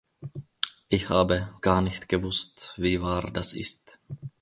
Ich habe gar nicht gewusst, wie wahr das ist.